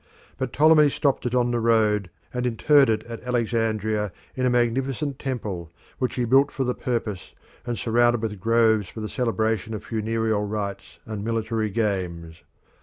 But Ptolemy stopped it on the road, and interred it at Alexandria in a magnificent temple, which he built for the purpose and surrounded with groves for the celebration of funereal rites and military games.